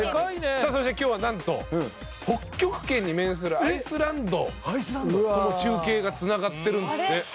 さあそして今日はなんと北極圏に面するアイスランドとも中継がつながってるんですって。